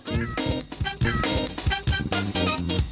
ไปค่ะ